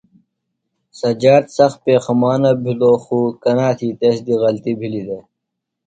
سجاد سخت پیخمانہ بِھلوۡ خو کنا تھی تس دی غلطیۡ بِھلیۡ دےۡ۔